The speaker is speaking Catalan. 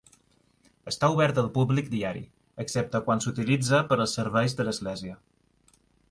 Està obert al públic diari, excepte quan s'utilitza per als serveis de l'església.